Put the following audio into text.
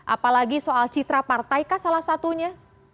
apalagi soal citra partai kah salah satunya